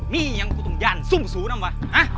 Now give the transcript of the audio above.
มี่ยังไปต้องยานสุ่มสูงด้วยังมะ